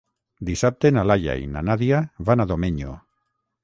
Dissabte na Laia i na Nàdia van a Domenyo.